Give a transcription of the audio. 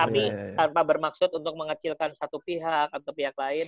tapi tanpa bermaksud untuk mengecilkan satu pihak atau pihak lain